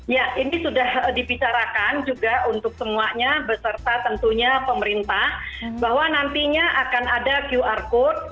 ya ini sudah dibicarakan juga untuk semuanya beserta tentunya pemerintah bahwa nantinya akan ada qr code